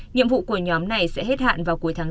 nhiệm vụ của nhóm này sẽ hết hạn vào cuối tháng bốn